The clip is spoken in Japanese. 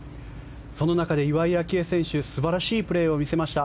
その中で岩井明愛選手素晴らしいプレーを見せました。